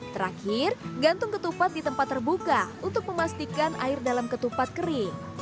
terakhir gantung ketupat di tempat terbuka untuk memastikan air dalam ketupat kering